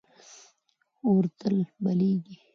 اور تل بلېږي.